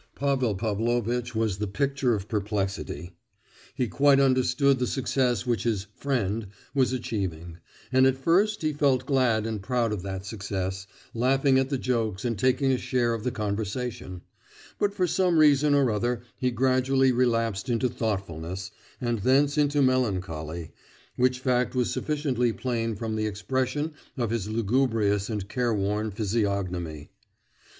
Pavel Pavlovitch was the picture of perplexity. He quite understood the success which his "friend" was achieving, and at first he felt glad and proud of that success, laughing at the jokes and taking a share of the conversation; but for some reason or other he gradually relapsed into thoughtfulness, and thence into melancholy—which fact was sufficiently plain from the expression of his lugubrious and careworn physiognomy.